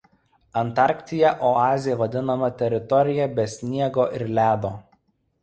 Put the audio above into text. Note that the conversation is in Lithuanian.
Antarktyje oaze vadinama teritorija be sniego ir ledo.